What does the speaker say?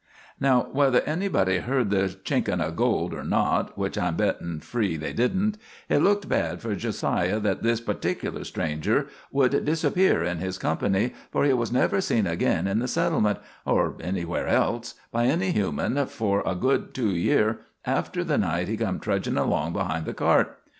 "Now, whether anybody heard the chinkin' o' gold or not (which I'm bettin' free they didn't), hit looked bad for Jo siah that this partic'lar stranger should disappear in his company, for he was never seen ag'in in the settlement, or anywhere else, by any human for a good two year after the night he come trudgin' along behind the cart.